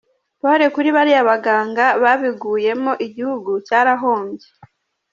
Pole kuri bariya baganga babiguyemo, Igihugu cyarahombye.